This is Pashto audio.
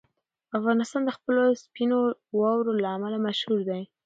افغانستان د خپلو سپینو واورو له امله مشهور دی.